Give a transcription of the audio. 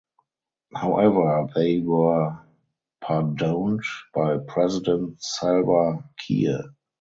However they were pardoned by President Salva Kiir.